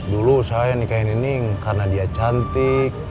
dulu saya nikahin nining karena dia cantik